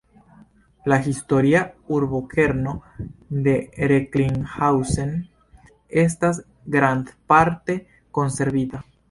La historia urbokerno de Recklinghausen estas grandparte konservita.